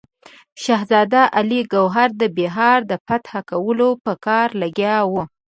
شهزاده علي ګوهر د بیهار د فتح کولو په کار لګیا وو.